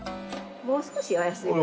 もう少しお安い。